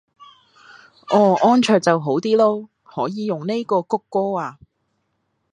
哦安卓就好啲囉，可以用呢個穀歌啊